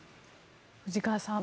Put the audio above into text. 藤川さん